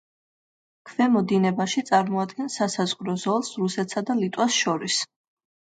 ქვემო დინებაში წარმოადგენს სასაზღვრო ზოლს რუსეთსა და ლიტვას შორის.